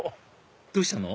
どうしたの？